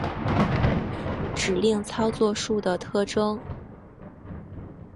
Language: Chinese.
指令操作数的特征